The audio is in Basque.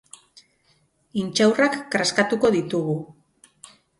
Intxaurrak kraskatuko ditugu.